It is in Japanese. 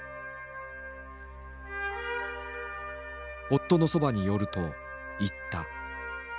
夫のそばに寄ると言った。